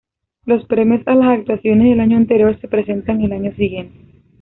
Los premios a las actuaciones del año anterior se presentan el año siguiente.